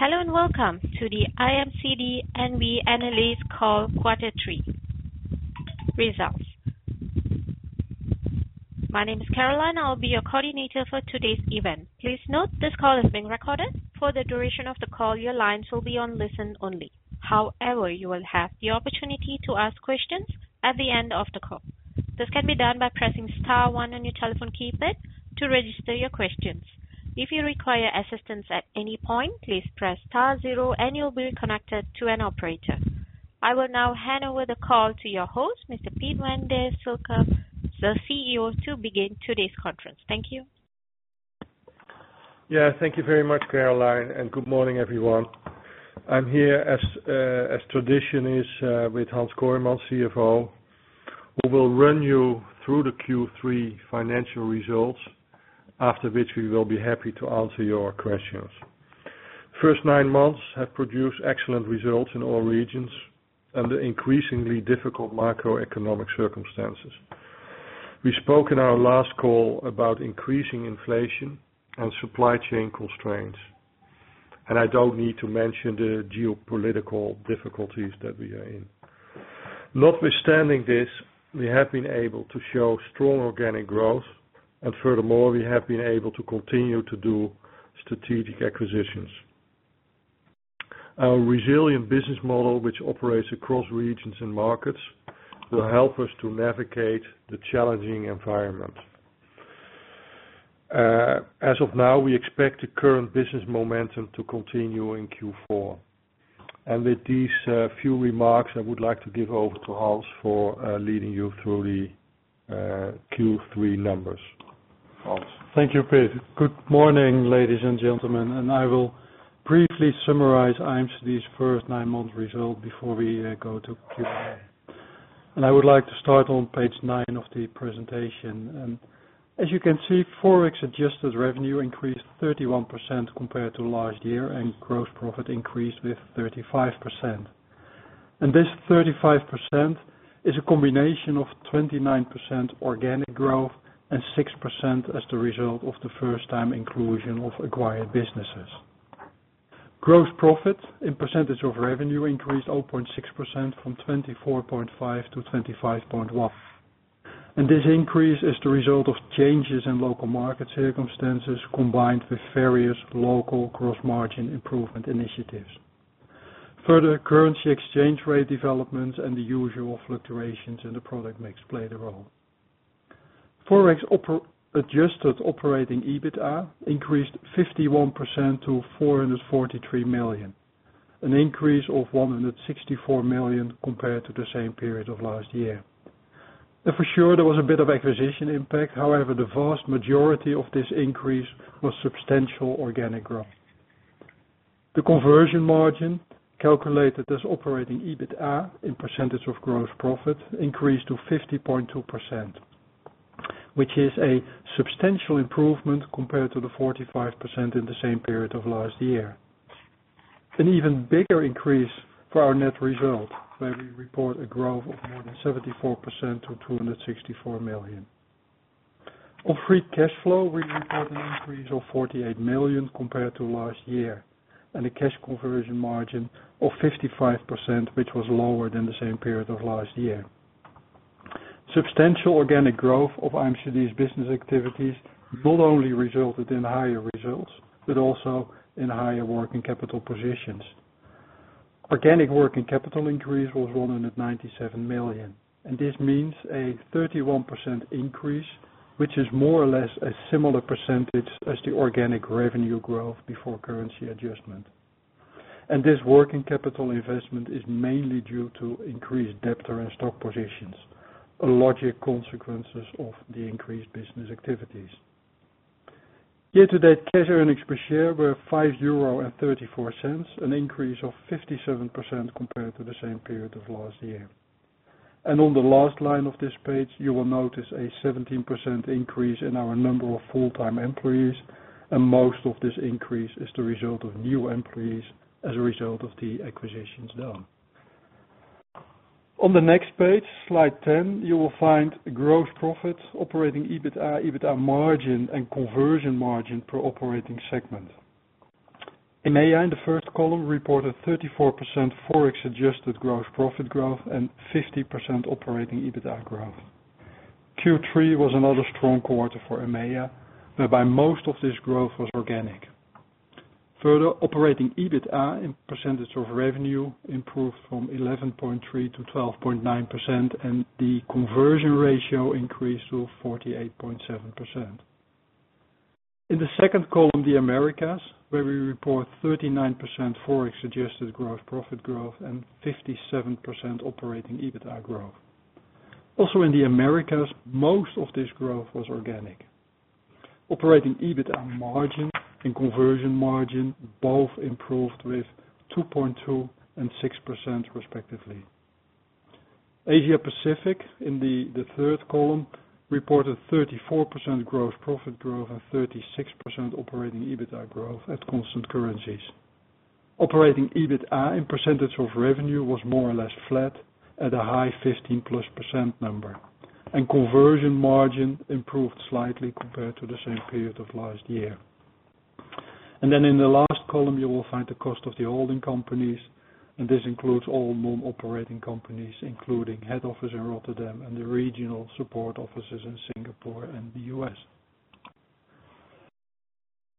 Hello and welcome to the IMCD N.V. Analyst Call quarter Three Results. My name is Caroline. I'll be your coordinator for today's event. Please note this call is being recorded. For the duration of the call, your lines will be on listen only. However, you will have the opportunity to ask questions at the end of the call. This can be done by pressing star one on your telephone keypad to register your questions. If you require assistance at any point, please press star zero and you'll be connected to an operator. I will now hand over the call to your host, Mr. Piet van der Slikke, the CEO, to begin today's conference. Thank you. Yeah, thank you very much, Caroline, and good morning, everyone. I'm here as is tradition with Hans Kooijmans, CFO. We will run you through the Q3 financial results, after which we will be happy to answer your questions. First nine months have produced excellent results in all regions under increasingly difficult macroeconomic circumstances. We spoke in our last call about increasing inflation and supply chain constraints, and I don't need to mention the geopolitical difficulties that we are in. Notwithstanding this, we have been able to show strong organic growth and furthermore, we have been able to continue to do strategic acquisitions. Our resilient business model, which operates across regions and markets, will help us to navigate the challenging environment. As of now, we expect the current business momentum to continue in Q4. With these few remarks, I would like to give over to Hans for leading you through the Q3 numbers. Hans. Thank you, Piet. Good morning, ladies and gentlemen, and I will briefly summarize IMCD's first nine months result before we go to Q&A. I would like to start on page nine of the presentation. As you can see, Forex-adjusted revenue increased 31% compared to last year, and gross profit increased with 35%. This 35% is a combination of 29% organic growth and 6% as the result of the first-time inclusion of acquired businesses. Gross profit in percentage of revenue increased 0.6% from 24.5%-25.1%. This increase is the result of changes in local market circumstances combined with various local gross margin improvement initiatives. Further currency exchange rate developments and the usual fluctuations in the product mix played a role. Adjusted operating EBITDA increased 51% to 443 million, an increase of 164 million compared to the same period of last year. For sure there was a bit of acquisition impact. However, the vast majority of this increase was substantial organic growth. The conversion margin, calculated as operating EBITDA in percentage of gross profit, increased to 50.2%, which is a substantial improvement compared to the 45% in the same period of last year. An even bigger increase for our net result, where we report a growth of more than 74% to 264 million. On free cash flow, we report an increase of 48 million compared to last year, and a cash conversion margin of 55%, which was lower than the same period of last year. Substantial organic growth of IMCD's business activities not only resulted in higher results, but also in higher working capital positions. Organic working capital increase was 197 million, and this means a 31% increase, which is more or less a similar percentage as the organic revenue growth before currency adjustment. This working capital investment is mainly due to increased debtor and stock positions, a logical consequence of the increased business activities. Year-to-date, cash earnings per share were 5.34 euro, an increase of 57% compared to the same period of last year. On the last line of this page, you will notice a 17% increase in our number of full-time employees. Most of this increase is the result of new employees as a result of the acquisitions done. On the next page, slide 10, you will find gross profits, operating EBITDA margin, and conversion margin per operating segment. In EMEA, in the first column, we reported 34% Forex-adjusted gross profit growth and 50% operating EBITDA growth. Q3 was another strong quarter for EMEA, whereby most of this growth was organic. Further operating EBITDA in percentage of revenue improved from 11.3%-12.9%, and the conversion ratio increased to 48.7%. In the second column, the Americas, where we report 39% Forex-adjusted gross profit growth and 57% operating EBITDA growth. Also, in the Americas, most of this growth was organic. Operating EBITDA margin and conversion margin both improved with 2.2% and 6% respectively. Asia Pacific, in the third column, reported 34% profit growth and 36% operating EBITDA growth at constant currencies. Operating EBITDA as a percentage of revenue was more or less flat at a high 15%+ number, and conversion margin improved slightly compared to the same period of last year. Then in the last column, you will find the cost of the holding companies, and this includes all non-operating companies, including head office in Rotterdam and the regional support offices in Singapore and the U.S.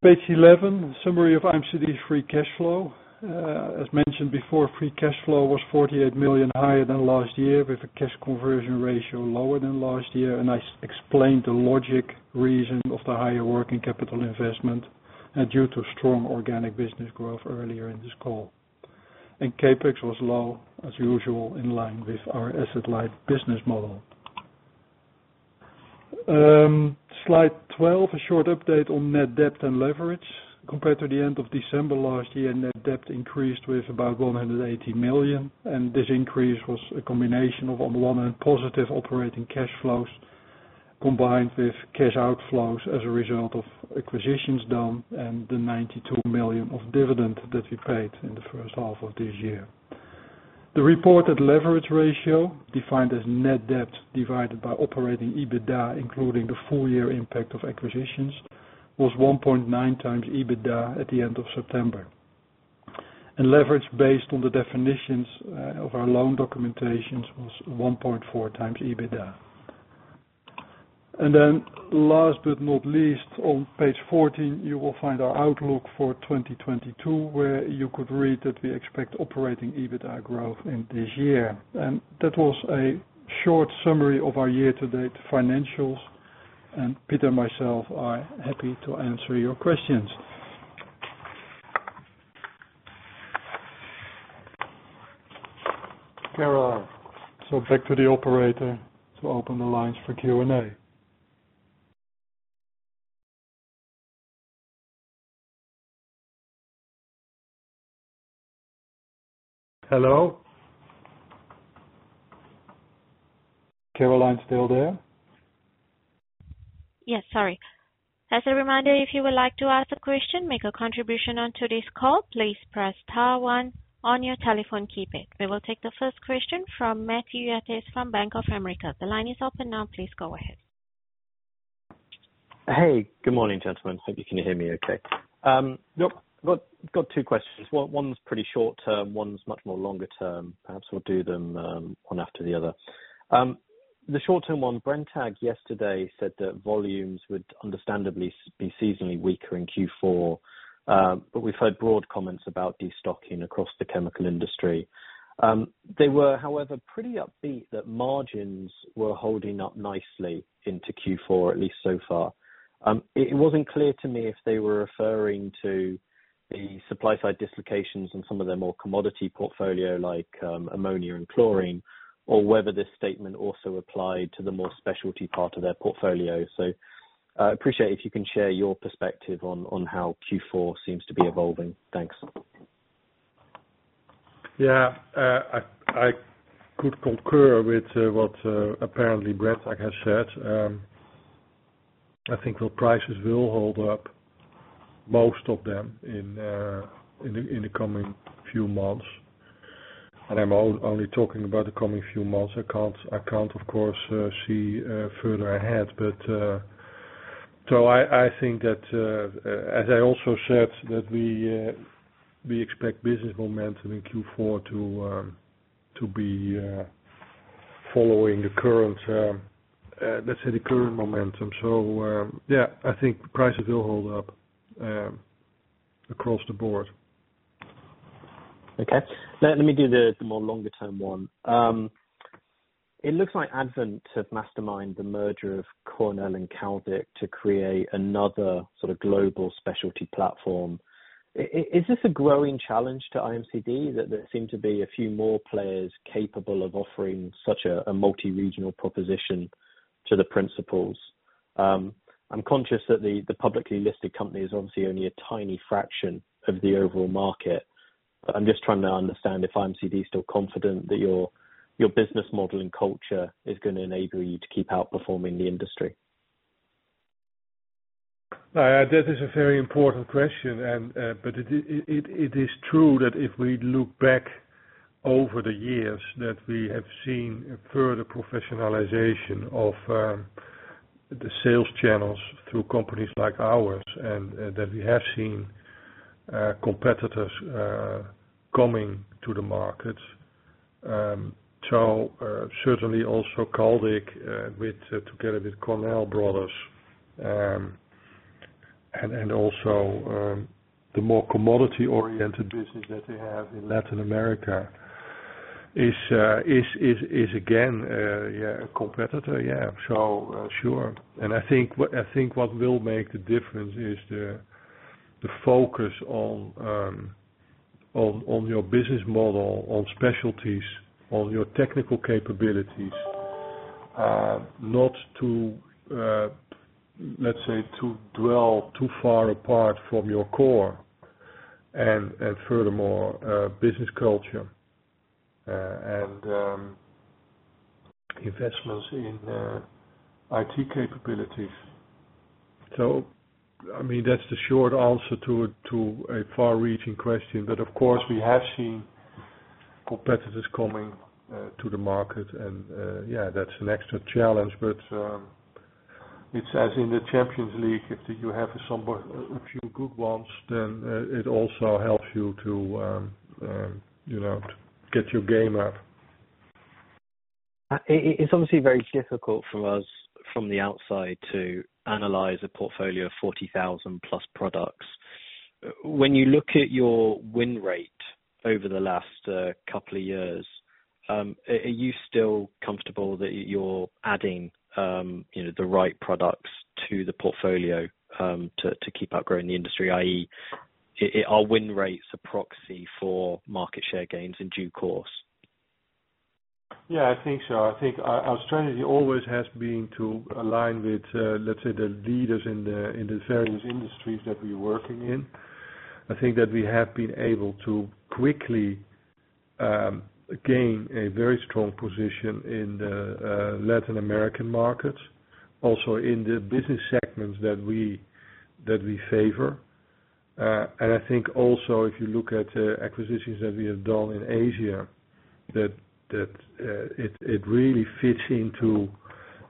Page 11, summary of IMCD free cash flow. As mentioned before, free cash flow was 48 million higher than last year, with a cash conversion ratio lower than last year. I explained the logical reason of the higher working capital investment due to strong organic business growth earlier in this call. CapEx was low as usual, in line with our asset light business model. Slide 12, a short update on net debt and leverage. Compared to the end of December last year, net debt increased with about 180 million, and this increase was a combination of, on one hand, positive operating cash flows, combined with cash outflows as a result of acquisitions done and the 92 million of dividend that we paid in the first half of this year. The reported leverage ratio, defined as net debt divided by operating EBITDA, including the full year impact of acquisitions, was 1.9x EBITDA at the end of September. Leverage based on the definitions of our loan documentations was 1.4x EBITDA. Last but not least, on page 14, you will find our outlook for 2022, where you could read that we expect operating EBITDA growth in this year. That was a short summary of our year-to-date financials, and Piet and myself are happy to answer your questions. Caroline. Back to the operator to open the lines for Q&A. Hello? Caroline, still there? Yes, sorry. As a reminder, if you would like to ask a question, make a contribution on today's call, please press star one on your telephone keypad. We will take the first question from Matthew Yates from Bank of America. The line is open now. Please go ahead. Hey, good morning, gentlemen. Hope you can hear me okay. Look, got two questions. One, one's pretty short-term, one's much more longer term. Perhaps we'll do them one after the other. The short-term one, Brenntag yesterday said that volumes would understandably be seasonally weaker in Q4, but we've heard broad comments about destocking across the chemical industry. They were, however, pretty upbeat that margins were holding up nicely into Q4, at least so far. It wasn't clear to me if they were referring to the supply side dislocations in some of their more commodity portfolio like Ammonia and Chlorine, or whether this statement also applied to the more specialty part of their portfolio. I'd appreciate if you can share your perspective on how Q4 seems to be evolving. Thanks. Yeah. I could concur with what apparently Brenntag, like I said. I think the prices will hold up most of them in the coming few months. I'm only talking about the coming few months. I can't of course see further ahead. I think that as I also said that we expect business momentum in Q4 to be following the current, let's say the current momentum. Yeah, I think prices will hold up across the board. Okay. Now let me do the more longer term one. It looks like Advent have mastermind the merger of Connell and Caldic to create another sort of global specialty platform. Is this a growing challenge to IMCD? That there seem to be a few more players capable of offering such a multi-regional proposition to the principals. I'm conscious that the publicly listed company is obviously only a tiny fraction of the overall market, but I'm just trying to understand if IMCD is still confident that your business model and culture is gonna enable you to keep outperforming the industry. That is a very important question. But it is true that if we look back over the years that we have seen a further professionalization of the sales channels through companies like ours and that we have seen competitors coming to the market. Certainly, also Caldic, together with Connell Brothers, and also the more commodity-oriented business that they have in Latin America is again a competitor. Sure. I think what will make the difference is the focus on your business model, on specialties, on your technical capabilities. Not to, let's say, dwell too far apart from your core and furthermore business culture. Investments in IT capabilities. I mean, that's the short answer to a far-reaching question. Of course, we have seen competitors coming to the market and yeah, that's an extra challenge. It's as in the Champions League, if you have some a few good ones, then it also helps you to you know, to get your game up. It's obviously very difficult for us from the outside to analyze a portfolio of 40,000+ products. When you look at your win rate over the last couple of years, are you still comfortable that you're adding, you know, the right products to the portfolio, to keep outgrowing the industry? i.e., are win rates a proxy for market share gains in due course? Yeah, I think so. I think our strategy always has been to align with, let's say, the leaders in these various industries that we're working in. I think that we have been able to quickly gain a very strong position in the Latin American markets, also in the business segments that we favor. I think also, if you look at acquisitions that we have done in Asia, that it really fits into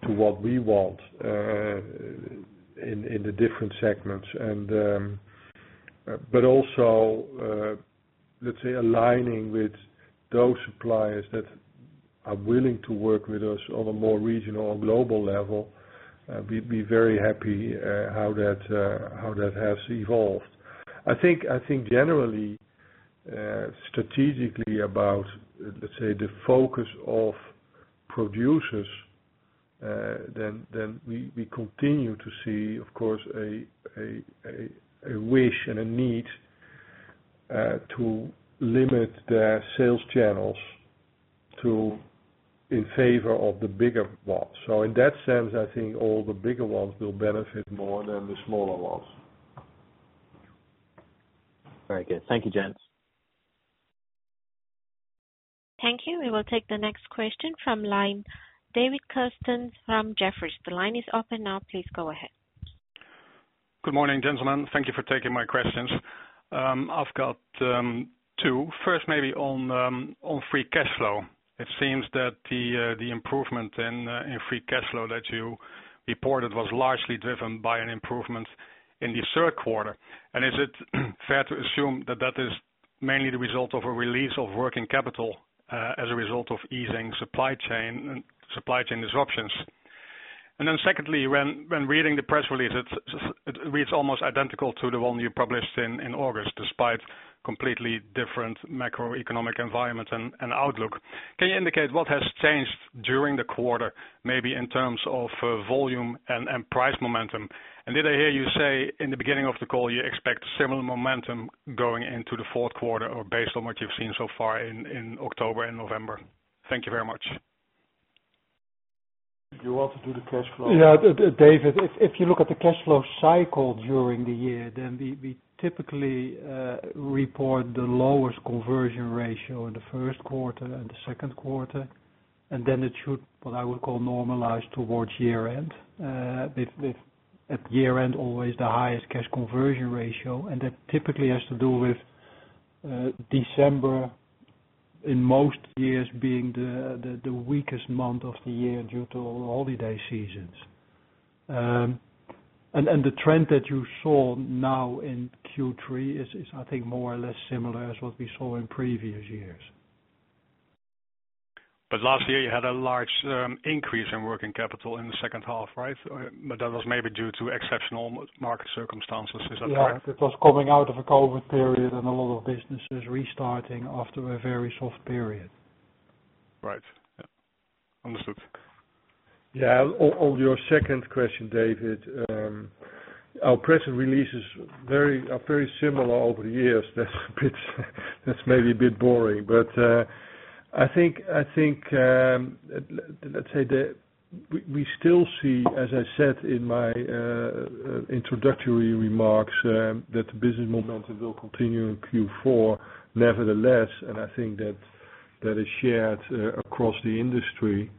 what we want in the different segments. Let's say, aligning with those suppliers that are willing to work with us on a more regional or global level, we'd be very happy how that has evolved. I think generally, strategically about, let's say, the focus of producers, then we continue to see, of course, a wish and a need to limit their sales channels to in favor of the bigger ones. In that sense, I think all the bigger ones will benefit more than the smaller ones. Very good. Thank you, gents. Thank you. We will take the next question from line, David Kerstens from Jefferies. The line is open now. Please go ahead. Good morning, gentlemen. Thank you for taking my questions. I've got two. First, maybe on free cash flow. It seems that the improvement in free cash flow that you reported was largely driven by an improvement in the third quarter. Is it fair to assume that that is mainly the result of a release of working capital as a result of easing supply chain disruptions? Secondly, when reading the press release, it reads almost identical to the one you published in August, despite completely different macroeconomic environment and outlook. Can you indicate what has changed during the quarter, maybe in terms of volume and price momentum? Did I hear you say in the beginning of the call you expect similar momentum going into the fourth quarter or based on what you've seen so far in October and November? Thank you very much. You want to do the cash flow? Yeah. David, if you look at the cash flow cycle during the year, then we typically report the lowest conversion ratio in the first quarter and the second quarter, and then it should, what I would call, normalize towards year-end. If at year-end, always the highest cash conversion ratio, and that typically has to do with December in most years being the weakest month of the year due to holiday seasons. The trend that you saw now in Q3 is, I think, more or less similar as what we saw in previous years. Last year you had a large increase in working capital in the second half, right? That was maybe due to exceptional market circumstances. Is that right? Yeah. It was coming out of a COVID period and a lot of businesses restarting after a very soft period. Right. Yeah. Understood. Yeah. On your second question, David, our press releases are very similar over the years. That's a bit boring. I think let's say that we still see, as I said in my introductory remarks, that the business momentum will continue in Q4, nevertheless. I think that is shared across the industry.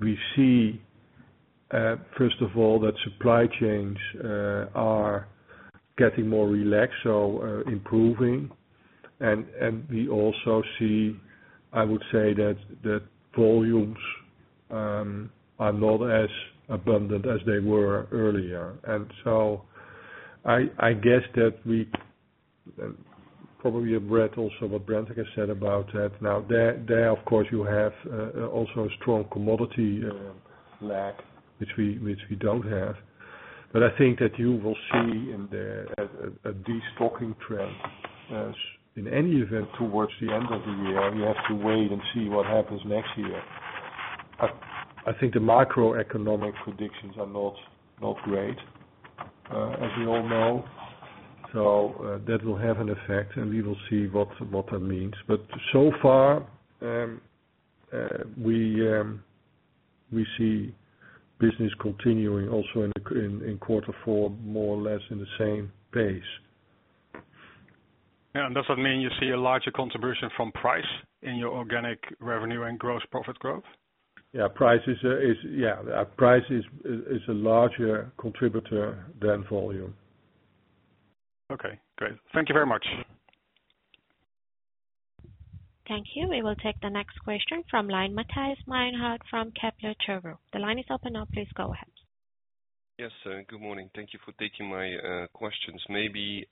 We see first of all that supply chains are getting more relaxed, so improving. We also see, I would say, that volumes are not as abundant as they were earlier. I guess that we probably have read also what Brenntag said about that. Now, of course, you also have a strong commodity leg which we don't have. I think that you will see in a destocking trend as in any event towards the end of the year. We have to wait and see what happens next year. I think the macroeconomic predictions are not great, as we all know. That will have an effect, and we will see what that means. So far, we see business continuing also in the quarter four, more or less in the same pace. Yeah. Does that mean you see a larger contribution from price in your organic revenue and gross profit growth? Price is a larger contributor than volume. Okay, great. Thank you very much. Thank you. We will take the next question from line, Matthias Meinhardt from Kepler Cheuvreux. The line is open now. Please go ahead. Yes. Good morning. Thank you for taking my questions. Maybe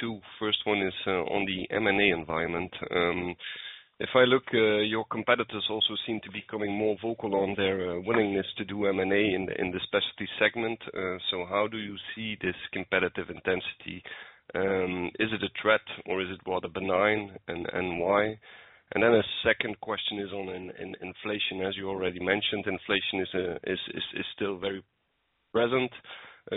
two. First one is on the M&A environment. If I look, your competitors also seem to be becoming more vocal on their willingness to do M&A in the specialty segment. So how do you see this competitive intensity? Is it a threat or is it rather benign, and why? A second question is on inflation. As you already mentioned, inflation is still very present.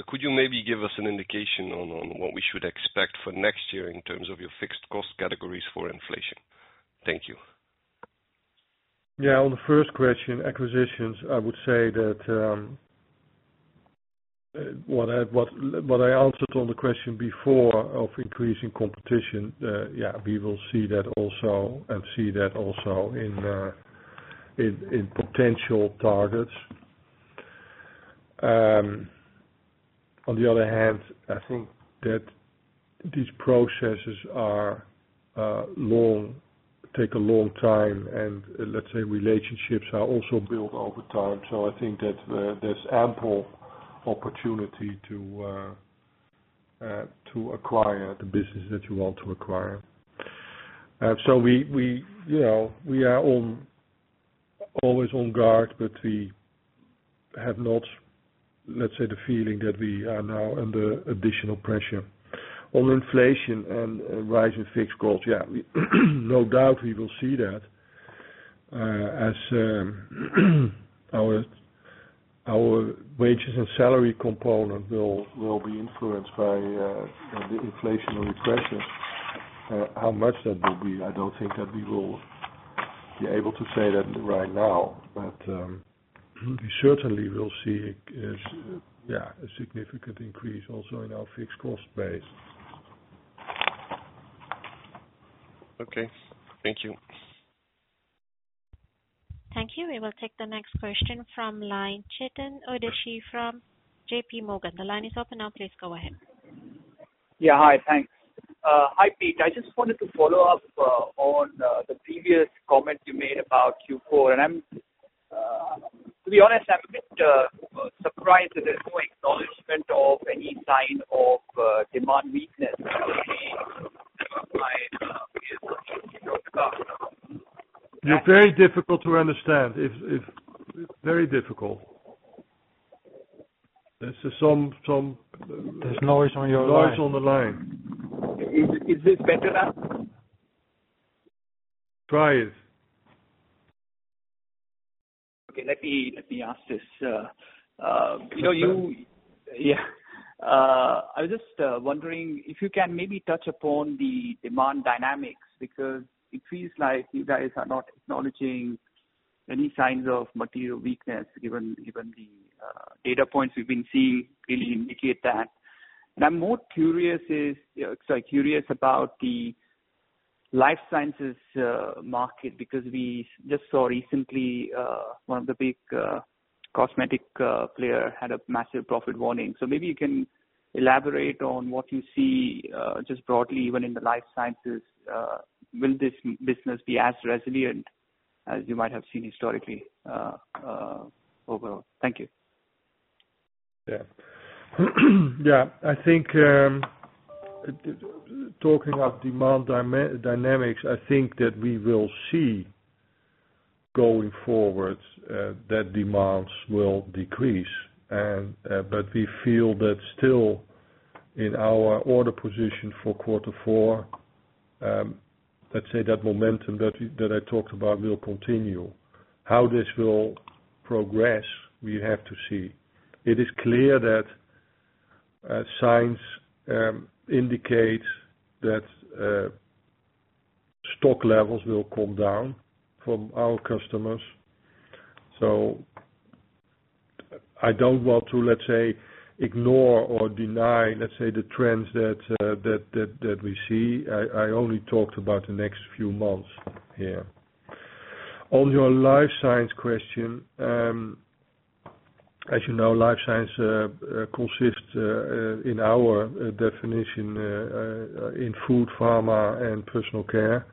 Could you maybe give us an indication on what we should expect for next year in terms of your fixed cost categories for inflation? Thank you. Yeah, on the first question, acquisitions, I would say that what I answered on the question before of increasing competition, yeah, we will see that also in potential targets. On the other hand, I think that these processes are long, take a long time and, let's say, relationships are also built over time. I think that there's ample opportunity to acquire the business that you want to acquire. So we, you know, we are always on guard, but we have not, let's say, the feeling that we are now under additional pressure. On inflation and rising fixed costs, yeah, no doubt we will see that as our wages and salary component will be influenced by the inflationary pressures. How much that will be, I don't think that we will be able to say that right now, but we certainly will see, yeah, a significant increase also in our fixed cost base. Okay. Thank you. Thank you. We will take the next question from line, Chetan Udeshi from JPMorgan. The line is open now. Please go ahead. Yeah. Hi, thanks. Hi, Piet. I just wanted to follow up on the previous comment you made about Q4. To be honest, I'm a bit surprised that there's no acknowledgment of any sign of demand weakness. You're very difficult to understand. It's very difficult. There's some, There's noise on your line. Noise on the line. Is this better now? Try it. Okay, let me ask this. You know, Better. Yeah. I was just wondering if you can maybe touch upon the demand dynamics because it feels like you guys are not acknowledging any signs of material weakness, given the data points we've been seeing really indicate that. I'm more curious about the life sciences market, because we just saw recently one of the big cosmetic player had a massive profit warning. Maybe you can elaborate on what you see just broadly, even in the life sciences. Will this business be as resilient as you might have seen historically overall? Thank you. Yeah. Yeah. I think talking of demand dynamics, I think that we will see going forward that demands will decrease. We feel that still, in our order position for quarter four, let's say that momentum that I talked about will continue. How this will progress, we have to see. It is clear that signs indicate that stock levels will come down from our customers. I don't want to, let's say, ignore or deny, let's say, the trends that we see. I only talked about the next few months here. On your life science question, as you know, life science consists, in our definition, in food, pharma, and personal care.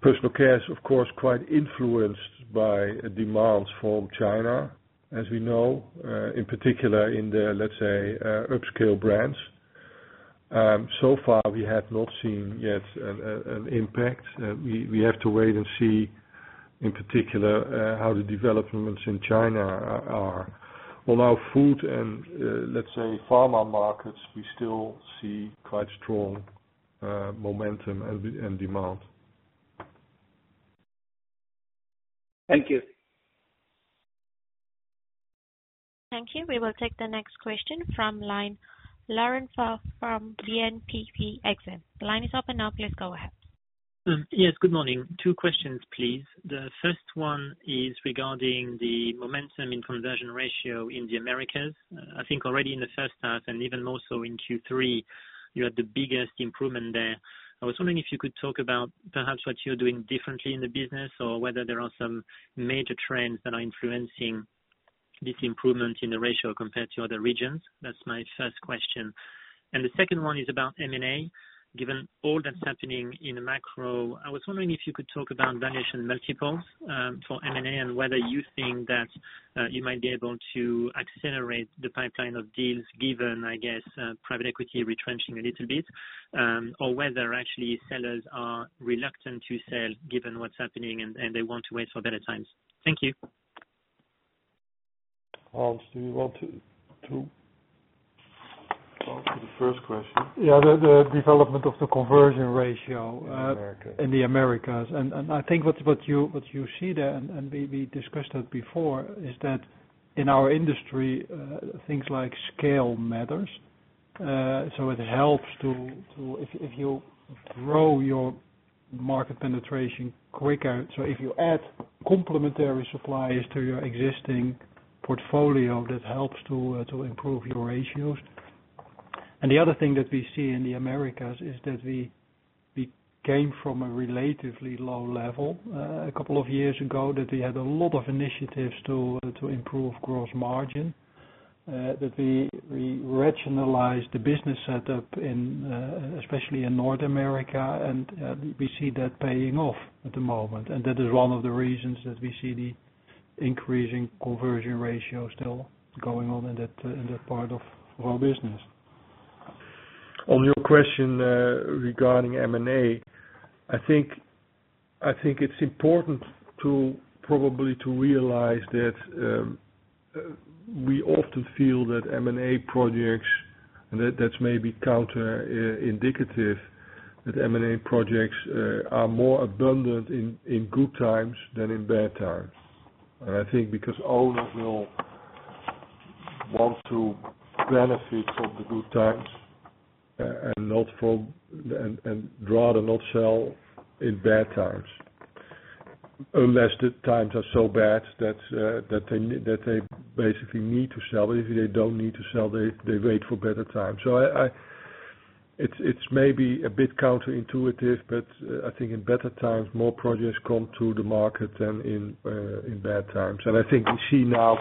Personal care is, of course, quite influenced by demands from China, as we know, in particular in the, let's say, upscale brands. So far, we have not seen yet an impact. We have to wait and see, in particular, how the developments in China are. On our food and, let's say, pharma markets, we still see quite strong momentum and demand. Thank you. Thank you. We will take the next question from line, Laurent Favre from BNP Paribas Exane. The line is open now. Please go ahead. Yes. Good morning. Two questions, please. The first one is regarding the momentum in conversion margin in the Americas. I think already in the first half and even more so in Q3, you had the biggest improvement there. I was wondering if you could talk about perhaps what you're doing differently in the business or whether there are some major trends that are influencing this improvement in the margin compared to other regions. That's my first question. The second one is about M&A. Given all that's happening in the macro, I was wondering if you could talk about valuation multiples for M&A and whether you think that you might be able to accelerate the pipeline of deals given, I guess, private equity retrenching a little bit, or whether actually sellers are reluctant to sell given what's happening and they want to wait for better times. Thank you. Hans, do you want to answer the first question? Yeah. The development of the conversion ratio. In America. In the Americas. I think what you see there, and we discussed that before, is that in our industry, things like scale matters. It helps. If you grow your market penetration quicker. If you add complementary supplies to your existing portfolio, that helps to improve your ratios. The other thing that we see in the Americas is that we came from a relatively low level, a couple of years ago, that we had a lot of initiatives to improve gross margin, that we rationalized the business setup in, especially in North America, and we see that paying off at the moment. That is one of the reasons that we see the increasing conversion ratio still going on in that part of our business. On your question regarding M&A, I think it's important to probably to realize that we often feel that's maybe counter indicative that M&A projects are more abundant in good times than in bad times. I think because owners will want to benefit from the good times and rather not sell in bad times. Unless the times are so bad that they basically need to sell. If they don't need to sell, they wait for better times. It's maybe a bit counterintuitive, but I think in better times, more projects come to the market than in bad times. I think we have seen that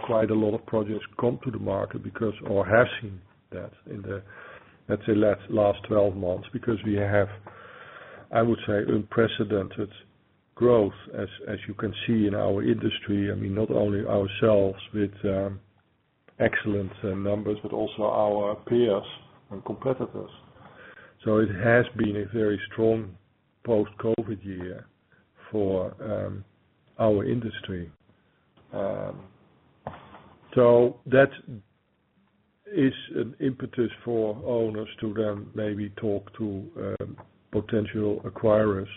in the last 12 months, because we have, I would say, unprecedented growth as you can see in our industry. I mean, not only ourselves with excellent numbers, but also our peers and competitors. It has been a very strong post-COVID year for our industry. That is an impetus for owners to then maybe talk to potential acquirers.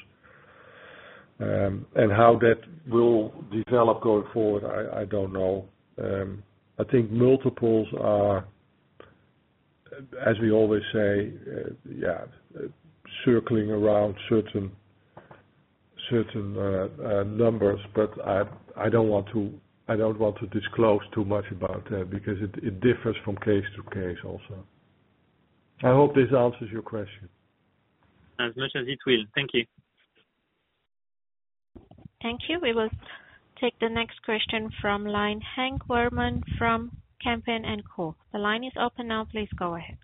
How that will develop going forward, I don't know. I think multiples are, as we always say, circling around certain numbers, but I don't want to disclose too much about that because it differs from case to case also. I hope this answers your question. As much as it will. Thank you. Thank you. We will take the next question from line, Henk Veermans from Kempen & Co. The line is open now. Please go ahead.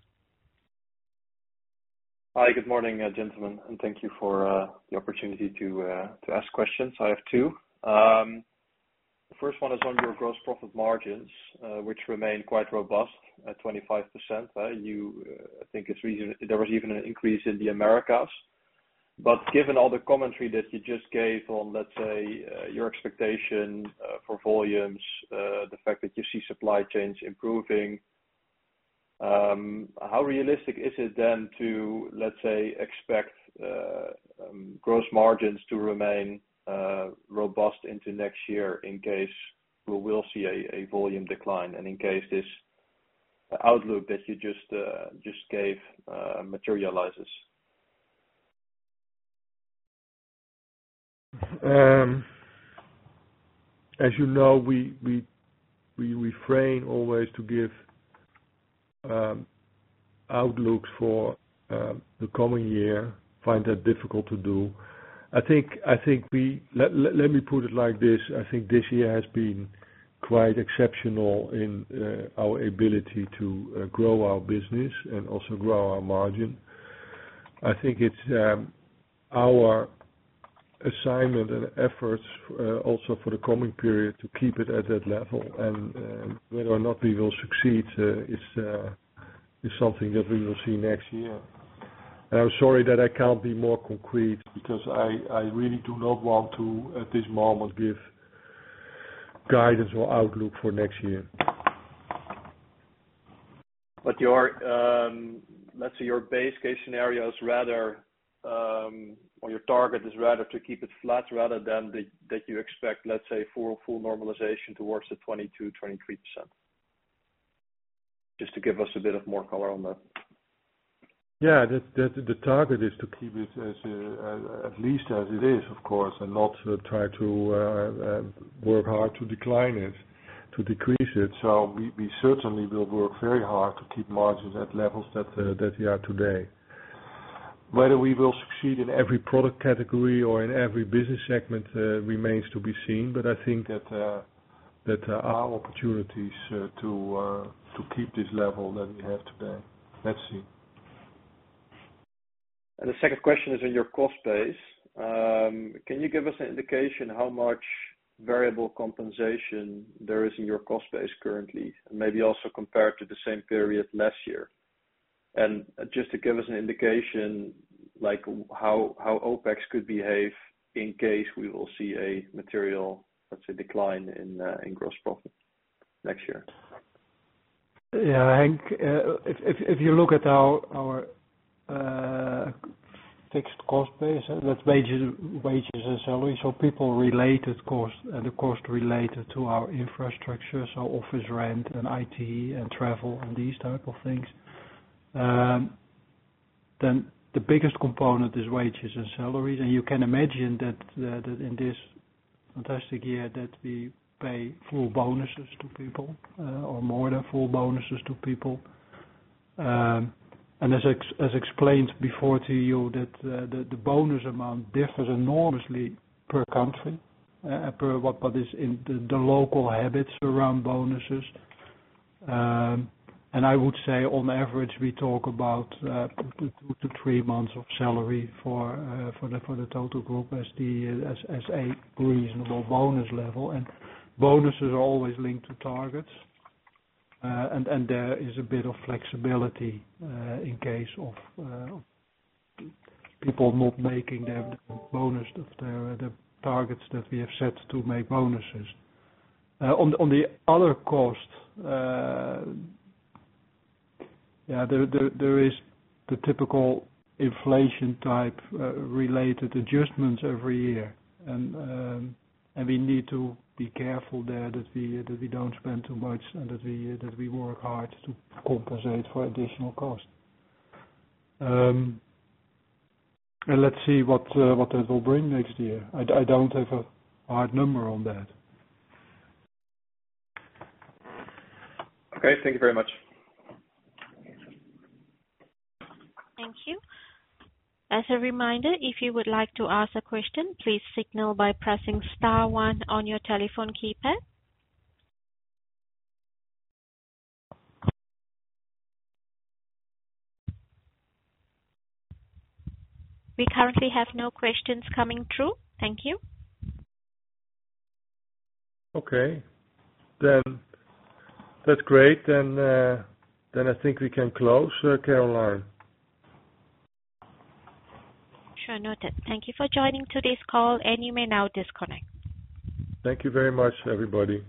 Hi. Good morning, gentlemen, and thank you for the opportunity to ask questions. I have two. The first one is on your gross profit margins, which remain quite robust at 25%, right? There was even an increase in the Americas. Given all the commentary that you just gave on, let's say, your expectation for volumes, the fact that you see supply chains improving, how realistic is it then to, let's say, expect gross margins to remain robust into next year in case we will see a volume decline and in case this outlook that you just gave materializes? As you know, we refrain always to give outlooks for the coming year. Find that difficult to do. I think. Let me put it like this. I think this year has been quite exceptional in our ability to grow our business and also grow our margin. I think it's our assignment and efforts also for the coming period, to keep it at that level. Whether or not we will succeed is something that we will see next year. I'm sorry that I can't be more concrete because I really do not want to, at this moment, give guidance or outlook for next year. Your base case scenario is rather, or your target is rather to keep it flat, rather than that you expect, let's say, full normalization towards the 20%-23%. Just to give us a bit more color on that. Yeah. The target is to keep it as at least as it is, of course, and not to try to work hard to decline it, to decrease it. We certainly will work very hard to keep margins at levels that they are today. Whether we will succeed in every product category or in every business segment remains to be seen. I think that there are opportunities to keep this level that we have today. Let's see. The second question is on your cost base. Can you give us an indication how much variable compensation there is in your cost base currently and maybe also compared to the same period last year? Just to give us an indication, like how OPEX could behave in case we will see a material, let's say, decline in gross profit next year. Yeah, Henk, if you look at our fixed cost base, that's wages and salaries, so people related cost and the cost related to our infrastructure, so office rent and IT and travel and these type of things. Then the biggest component is wages and salaries. You can imagine that in this fantastic year that we pay full bonuses to people or more than full bonuses to people. As explained before to you that the bonus amount differs enormously per country per what is in the local habits around bonuses. I would say on average, we talk about two to three months of salary for the total group as a reasonable bonus level. Bonuses are always linked to targets. There is a bit of flexibility in case of people not making their bonuses or the targets that we have set to make bonuses. On the other costs, there is the typical inflation-type related adjustments every year. We need to be careful there that we don't spend too much and that we work hard to compensate for additional costs. Let's see what that will bring next year. I don't have a hard number on that. Okay. Thank you very much. Thank you. As a reminder, if you would like to ask a question, please signal by pressing star one on your telephone keypad. We currently have no questions coming through. Thank you. Okay. That's great. I think we can close. Sure, Caroline. Sure. Noted. Thank you for joining today's call, and you may now disconnect. Thank you very much, everybody.